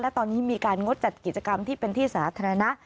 และตอนนี้มีการงดจัดกิจกรรมที่เป็นที่สาธารณะ